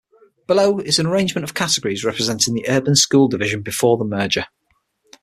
Below is an arrangement of categories representing the urban school division before the merger.